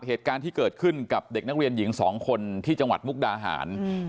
เหตุการณ์ที่เกิดขึ้นกับเด็กนักเรียนหญิงสองคนที่จังหวัดมุกดาหาร